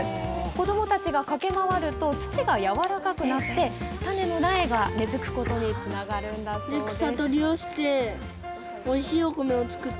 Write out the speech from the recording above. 子どもたちが駆け回ると、土が柔らかくなって、種の苗が根づくことにつながるんだそうです。